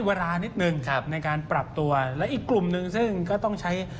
เวลานิดนึงครับในการปรับตัวและอีกกลุ่มหนึ่งซึ่งก็ต้องใช้